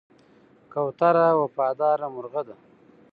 کوتره وفاداره مرغه ده.